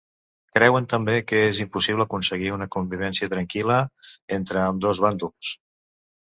Creuen també que és impossible aconseguir una convivència tranquil·la entre ambdós bàndols.